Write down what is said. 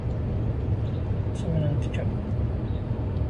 Ttamnent-kem.